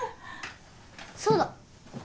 そうだ！